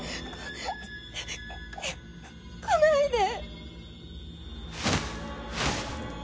来ないで。